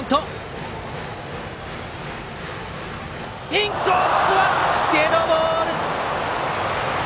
インコースデッドボール！